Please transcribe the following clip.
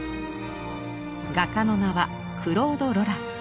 画家の名はクロード・ロラン。